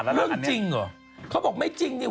เรื่องจริงเหรอเขาบอกไม่จริงเนี่ย